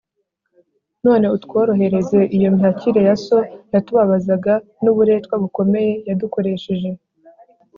none utworohereze iyo mihakire ya so yatubabazaga n’uburetwa bukomeye yadukoresheje